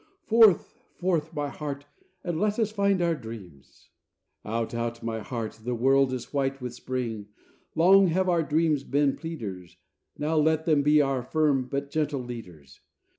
Forth, forth, my heart, and let us find our dreams! Out, out, my heart, the world is white with spring. Long have our dreams been pleaders: Now let them be our firm but gentle leaders.